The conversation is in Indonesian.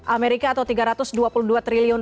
amerika atau tiga ratus dua puluh dua triliun